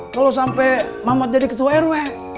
kalo sampe mamat jadi ketua rw